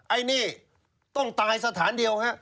ไอ้นี่ต้องตายสถานเดียวฮะ